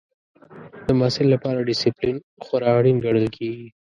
د محصل لپاره ډسپلین خورا اړین ګڼل کېږي.